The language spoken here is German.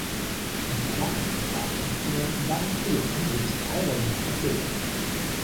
Die Klappen von Blasinstrumenten waren früher und sind teilweise noch aus Leder.